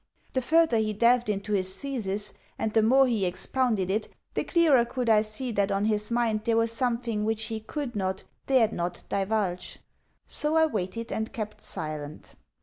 The further he delved into his thesis, and the more he expounded it, the clearer could I see that on his mind there was something which he could not, dared not, divulge. So I waited and kept silent.